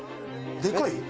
「でかいよ」